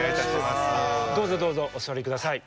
どうぞどうぞお座りください。